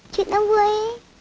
chuyện nó vui